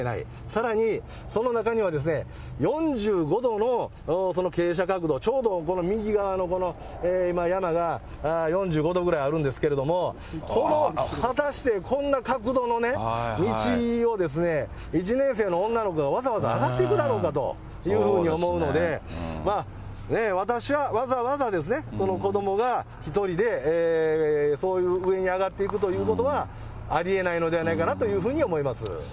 さらにその中には、４５度の傾斜角度、ちょうどこの右側の、今山が、４５度ぐらいあるんですけども、果たしてこんな角度の道を、１年生の女の子がわざわざ上がっていくだろうかというふうに思うので、私はわざわざ、この子どもが、１人で、そういう上に上がっていくということは、ありえないのではないかなというふうに思います。